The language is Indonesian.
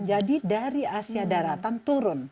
dari asia daratan turun